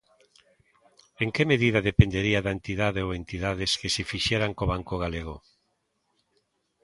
En que medida dependería da entidade ou entidades que se fixeran co banco galego.